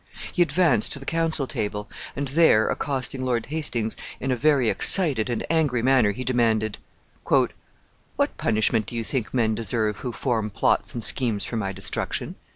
He advanced to the council table, and there accosting Lord Hastings in a very excited and angry manner, he demanded, "What punishment do you think men deserve who form plots and schemes for my destruction?"